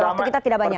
waktu kita tidak banyak